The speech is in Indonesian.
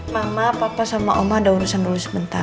mama papa sama omah ada urusan dulu sebentar